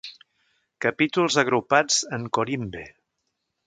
Capítols agrupats en corimbe.